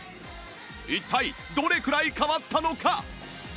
一体どれくらい変わったのか？